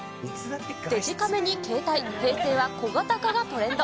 デジカメに携帯、平成は小型化がトレンド。